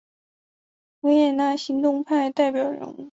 维也纳行动派代表人物。